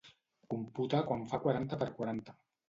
Computa quant fa quaranta per quaranta.